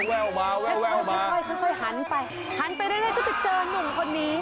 แววมาแววค่อยหันไปหันไปเรื่อยก็จะเจอนุ่มคนนี้